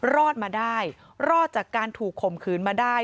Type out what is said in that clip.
รอดมาได้รอดจากการถูกข่มขืนมาได้